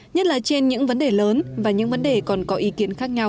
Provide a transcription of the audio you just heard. nhất là trên những vấn đề lớn và những vấn đề còn có ý kiến khác nhau